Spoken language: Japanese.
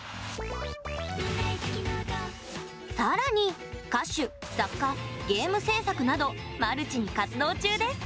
さらに、歌手、作家ゲーム制作などマルチに活動中です。